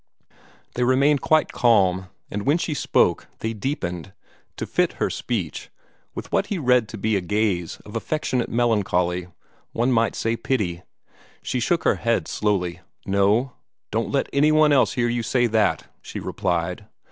They remained quite calm; and when she spoke, they deepened, to fit her speech, with what he read to be a gaze of affectionate melancholy one might say pity. She shook her head slowly. "No don't let any one else hear you say that," she replied.